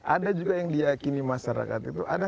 ada juga yang diakini masyarakat itu